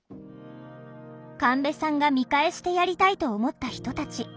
神戸さんが見返してやりたいと思った人たち。